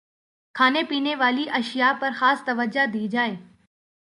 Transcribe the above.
کھانے پینے والی اشیا پرخاص توجہ دی جائے